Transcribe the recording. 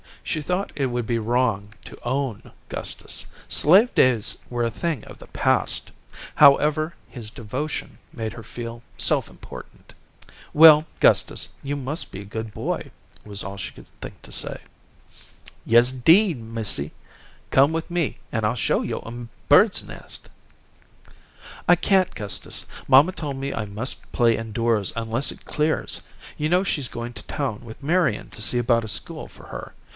She thought it would be wrong to "own" Gustus. Slave days were a thing of the past. However, his devotion made her feel self important. "Well, Gustus, you must be a good boy," was all she could think to say. "Yes, 'deed, missy. Come with me, an' I'll show yo' a bird's nest." "I can't, Gustus. Mamma told me I must play indoors unless it clears. You know she's gone to town with Marian to see about a school for her.